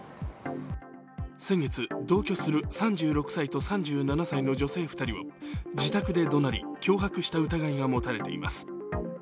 先月、同居する３６歳と３７歳の女性２人を自宅でどなり脅迫した疑いが持たれています。